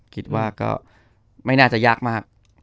คิดว่าก็ไม่น่าจะยากมาก